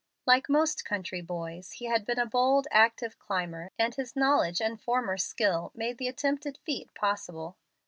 Like most country boys, he had been a bold, active climber, and his knowledge and former skill made the attempted feat possible.